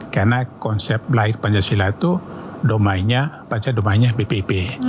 karena konsep lahir pancasila itu domainya panca domainya bpp